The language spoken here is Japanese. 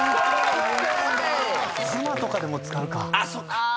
つまとかでも使うか。